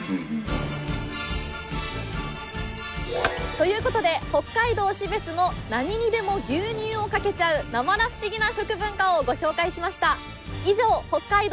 という事で北海道標津の何にでも牛乳をかけちゃうなまらフシギな食文化をご紹介しました。